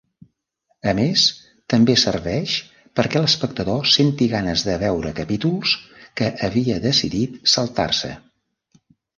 A més, també serveix perquè l'espectador senti ganes de veure capítols que havia decidit saltar-se.